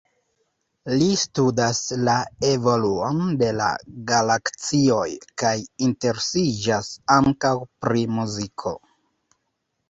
Li studas la evoluon de la galaksioj kaj interesiĝas ankaŭ pri muziko.